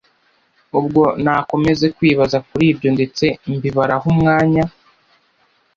ubwo nakomeze kwibaza kuribyo ndetse mbibaraho umwanya